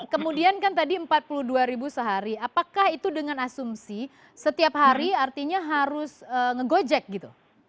kemudian kan tadi rp empat puluh dua sehari apakah itu dengan asumsi setiap hari artinya harus nge gojek gitu